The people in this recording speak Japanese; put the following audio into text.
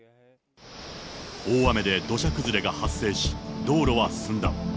大雨で土砂崩れが発生し、道路は寸断。